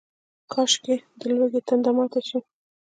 کاشکي، د لوږې تنده ماته شي